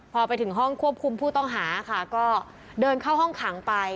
พอไปถึงห้องควบคุมผู้ต้องหาค่ะก็เดินเข้าห้องขังไป